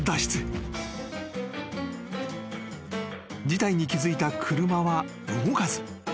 ［事態に気付いた車は動かず］